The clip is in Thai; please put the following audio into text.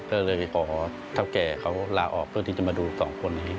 ก็เลยไปขอเท่าแก่เขาลาออกเพื่อที่จะมาดูสองคนนี้